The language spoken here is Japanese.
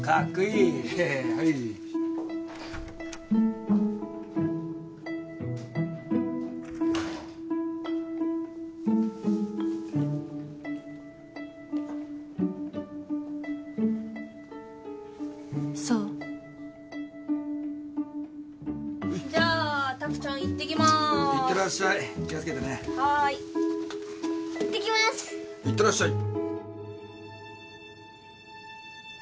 いってらっしゃい。